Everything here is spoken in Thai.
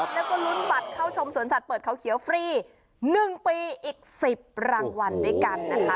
แล้วก็ลุ้นบัตรเข้าชมสวนสัตว์เปิดเขาเขียวฟรี๑ปีอีก๑๐รางวัลด้วยกันนะคะ